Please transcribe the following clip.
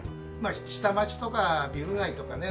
下町とかビル街とかね